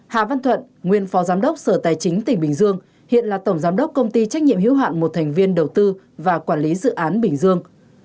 hà văn thuận nguyên phó giám đốc sở tài chính tỉnh bình dương hiện là tổng giám đốc công ty trách nhiệm hiếu hạn một thành viên đầu tư và quản lý dự án bình dương